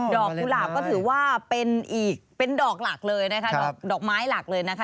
กุหลาบก็ถือว่าเป็นอีกเป็นดอกหลักเลยนะคะดอกไม้หลักเลยนะคะ